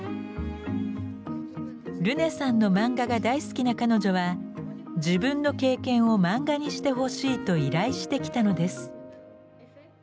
ルネさんの漫画が大好きな彼女は自分の経験を漫画にしてほしいと依頼してきたのです。